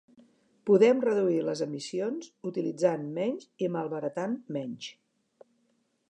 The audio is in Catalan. Podem reduir les emissions utilitzant menys i malbaratant menys.